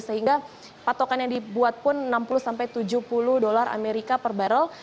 sehingga patokan yang dibuat pun enam puluh tujuh puluh dolar amerika per barrel